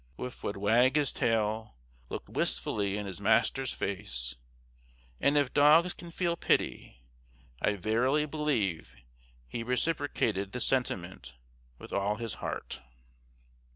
Wolf would wag his tail, look wistfully in his master's face, and if dogs can feel pity, I verily believe he reciprocated the sentiment with all his heart.